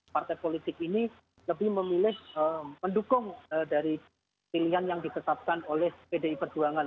partai politik ini lebih memilih mendukung dari pilihan yang ditetapkan oleh pdi perjuangan